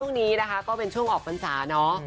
ช่วงนี้นะคะก็เป็นช่วงออกพรรษาเนาะ